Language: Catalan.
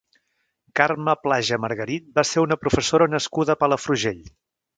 Carme Plaja Margarit va ser una professora nascuda a Palafrugell.